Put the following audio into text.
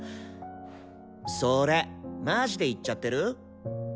それマジで言っちゃってる？